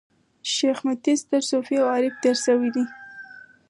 شېخ متي ستر صوفي او عارف تېر سوی دﺉ.